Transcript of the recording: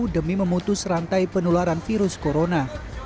demi memutus rantai penularan virus corona